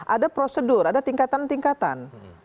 ada prosedur ada tingkatan tingkatan